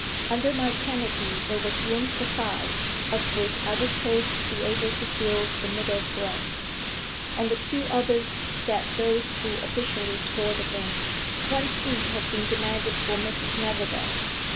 Under my canopy there was room for five, of which I was supposed to be able to fill the middle thrones. On the two others sat those who officially scored the game. One seat had been demanded for Mrs Neverbend.